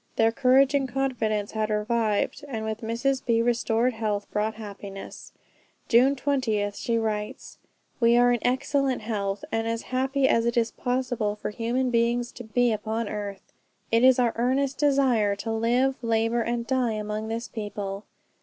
Their courage and confidence had revived, and with Mrs. B., restored health brought happiness. June 20th she writes, "We are in excellent health, and as happy as it is possible for human beings to be upon earth. It is our earnest desire to live, labor and die among this people."